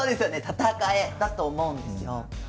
「戦え」だと思うんですよ。